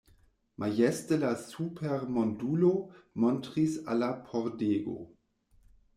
Majeste la supermondulo montris al la pordego.